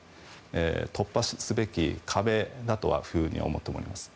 突破すべき壁だとは思っていると思います。